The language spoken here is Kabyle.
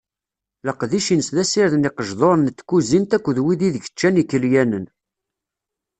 Leqdic-ines d asired n yiqejduren n tkuzint akked wid ideg ččan yikelyanen.